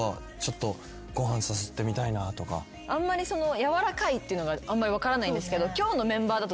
柔らかいっていうのがあんまり分からないんですけど。